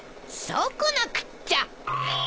そうこなくっちゃ！